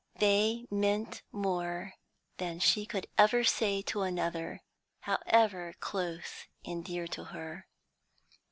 They meant more than she could ever say to another, however close and dear to her.